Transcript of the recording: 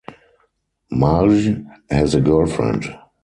Marj has a girl friend